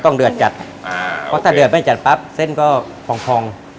เดือดจัดอ่าเพราะถ้าเดือดไม่จัดปั๊บเส้นก็พองพอง